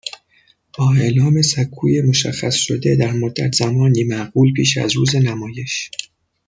با اعلام سکوی مشخّصشده در مدّت زمانی معقول پیش از روز نمایش.